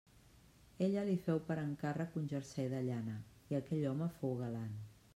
Ella li féu per encàrrec un jersei de llana i aquell home fou galant.